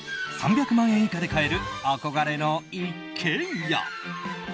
３００万以下で買える憧れの一軒家。